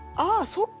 そっか！